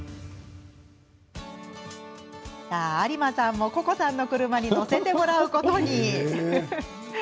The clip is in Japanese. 有馬さんも、ココさんの車に乗せてもらうことに。